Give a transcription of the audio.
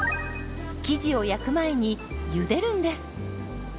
生地を焼く前にゆでるんです。